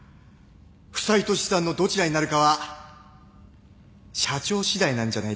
負債と資産のどちらになるかは社長しだいなんじゃないですか？